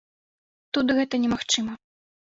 Тут гэта не магчыма.